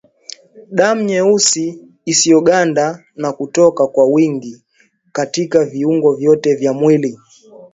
Damu nyeusi isiyoganda na kutoka kwa wingi katika viungo vyote vya mwili